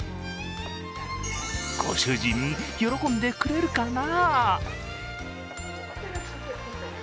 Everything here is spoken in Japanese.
ご主人、喜んでくれるかな？